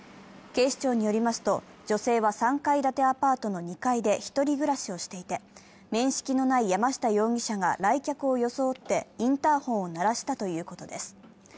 警視庁によりますと、女性は３階建てアパートの２階で１人暮らしをしていて面識のない山下容疑者が来客を装ってインターフォンを慣らしたということです。